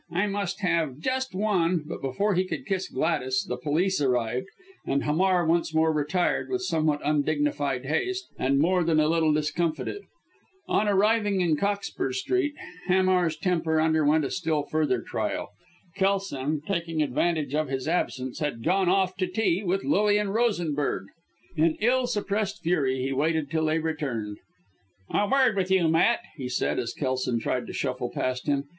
I must have just one " but before he could kiss Gladys the police arrived, and Hamar once more retired with somewhat undignified haste, and more than a little discomfited. On arriving in Cockspur Street, Hamar's temper underwent a still further trial. Kelson, taking advantage of his absence, had gone off to tea with Lilian Rosenberg. In ill suppressed fury, he waited till they returned. "A word with you, Matt," he said, as Kelson tried to shuffle past him.